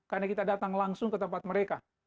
karena kita datang langsung ke tempat mereka